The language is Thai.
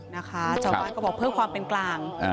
นะคะชาวบ้านก็บอกเพื่อความเป็นกลาง